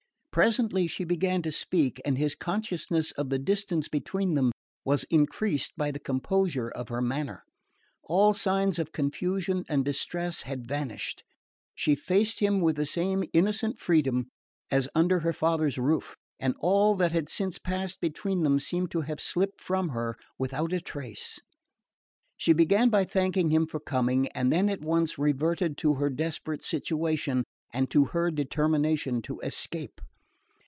Presently she began to speak and his consciousness of the distance between them was increased by the composure of her manner. All signs of confusion and distress had vanished. She faced him with the same innocent freedom as under her father's roof, and all that had since passed between them seemed to have slipped from her without a trace. She began by thanking him for coming, and then at once reverted to her desperate situation and to her determination to escape.